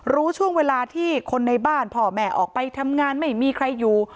รู้ช่วงเวลาที่คนในบ้านพ่อแม่ออกไปทำงานไม่มีใครอยู่